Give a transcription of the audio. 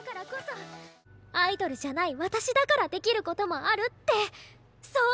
アイドルじゃない私だからできることもあるってそう思うから！